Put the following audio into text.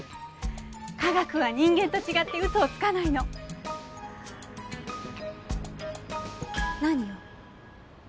科学は人間と違って嘘をつかないの。何よ？